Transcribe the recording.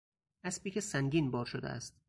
اسبی که سنگین بار شده است